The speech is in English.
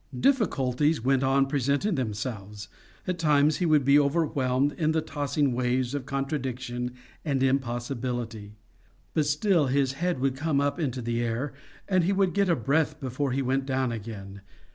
Difficulties went on presenting themselves; at times he would be overwhelmed in the tossing waves of contradiction and impossibility; but still his head would come up into the air and he would get a breath before he went down again.